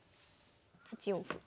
８四歩。